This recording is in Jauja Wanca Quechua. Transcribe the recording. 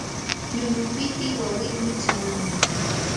Ñuñupitiy wawinmi ćhalqamun.